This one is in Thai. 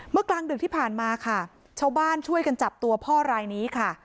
กลางดึกที่ผ่านมาค่ะชาวบ้านช่วยกันจับตัวพ่อรายนี้ค่ะ